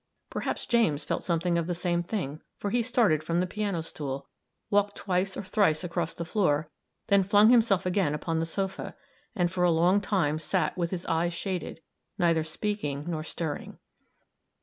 Perhaps James felt something of the same thing, for he started from the piano stool, walked twice or thrice across the floor, then flung himself again upon the sofa, and for a long time sat with his eyes shaded, neither speaking nor stirring.